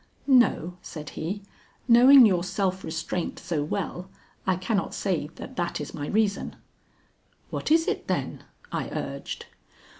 "No," said he. "Knowing your self restraint so well, I cannot say that that is my reason." "What is it, then?" I urged.